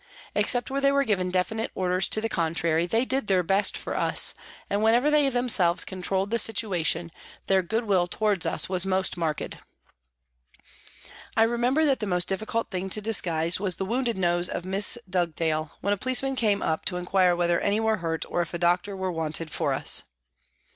Except where they were given definite orders to the contrary, they did their best for us, and whenever they themselves controlled the situation their good will towards us was most marked. I remember that the most difficult thing to disguise was the wounded nose of Miss Dugdale, when a policeman came up to inquire whether any were hurt or if a doctor were wanted for us.